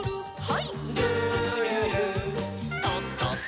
はい。